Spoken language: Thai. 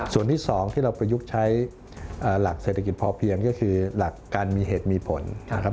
ส่วนที่๒ที่เราประยุกต์ใช้หลักเศรษฐกิจพอเพียงก็คือหลักการมีเหตุมีผลนะครับ